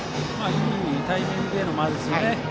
いいタイミングでの間ですね。